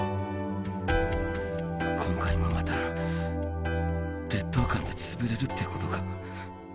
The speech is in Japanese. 今回もまた劣等感で潰れるってことか。